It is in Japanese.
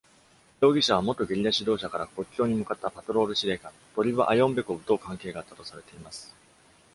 容疑者は元ゲリラ指導者から国境に向かったパトロール司令官 Tolib Ayombekov と関係があったとされています。